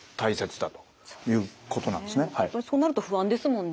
やっぱりそうなると不安ですもんね。